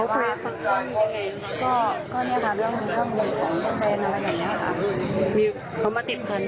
เช่นละ